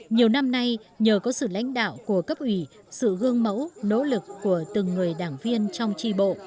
nhiều năm nay nhờ có sự lãnh đạo của cấp ủy sự gương mẫu nỗ lực của từng người đảng viên trong tri bộ